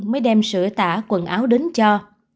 mới đem sửa tả quần áo đến cho